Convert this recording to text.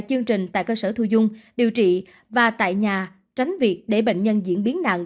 chương trình tại cơ sở thu dung điều trị và tại nhà tránh việc để bệnh nhân diễn biến nặng